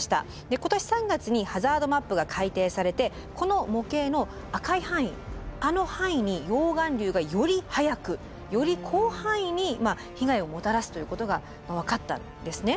今年３月にハザードマップが改訂されてこの模型の赤い範囲あの範囲に溶岩流がより早くより広範囲に被害をもたらすということが分かったんですね。